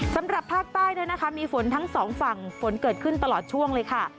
สำหรับภาคใต้มีฝนทั้งสองฝั่งฝนเกิดขึ้นตลอดช่วงเลยค่ะ